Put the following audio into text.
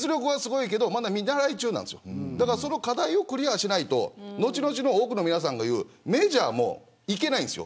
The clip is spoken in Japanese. その課題をクリアしないと後々、多くの皆さんが言うメジャーも行けないんです。